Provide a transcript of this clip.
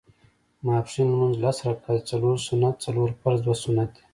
ماسپښېن لمونځ لس رکعته دی څلور سنت څلور فرض دوه سنت دي